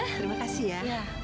terima kasih ya